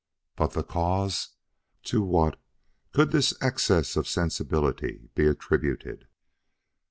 But the cause! To what could this excess of sensibility be attributed?